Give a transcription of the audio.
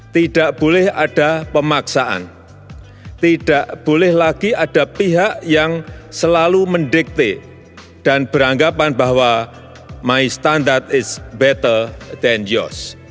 tidak boleh ada pemaksaan tidak boleh lagi ada pihak yang selalu mendikte dan beranggapan bahwa my standard is better than yours